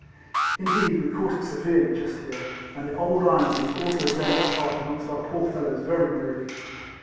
Indeed we caught it severely just here, and the old iron was also playing its part amongst our poor fellows very merrily.